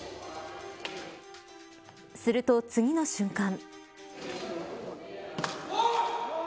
すると次の瞬間。